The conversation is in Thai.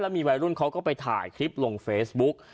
มีวัยรุ่นเขาก็ไปถ่ายคลิปลงเฟซบุ๊ก